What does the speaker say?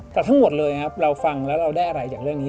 แต่ทั้งหมดเลยนะครับเราฟังแล้วเราได้อะไรจากเรื่องนี้